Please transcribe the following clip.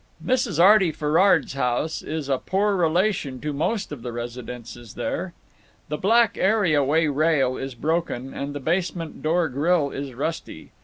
Mrs. Arty Ferrard's house is a poor relation to most of the residences there. The black areaway rail is broken, and the basement door grill is rusty.